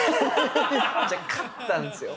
勝ったんですよ。